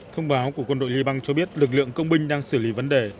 thông báo của quân đội liban cho biết lực lượng công binh đang xử lý vấn đề